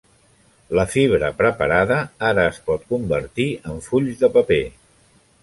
La fibra preparada ara es pot convertir en fulls de paper.